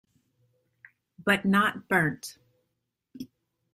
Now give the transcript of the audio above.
But not Bernt.